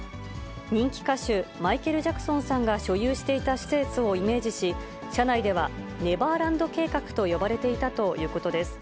人気歌手、マイケル・ジャクソンさんが所有していた施設をイメージし、社内ではネバーランド計画と呼ばれていたということです。